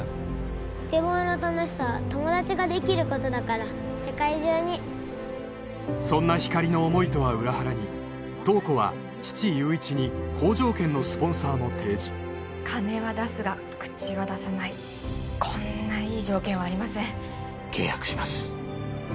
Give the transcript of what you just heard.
スケボーの楽しさは友達ができることだから世界中にそんなひかりの思いとは裏腹に塔子は父・悠一に好条件のスポンサーも提示金は出すが口は出さないこんないい条件はありません契約します